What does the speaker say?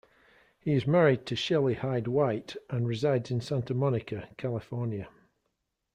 He is married to Shelly Hyde-White and resides in Santa Monica, California.